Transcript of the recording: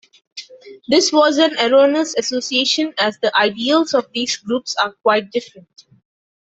This was an erroneous association, as the ideals of these groups are quite different.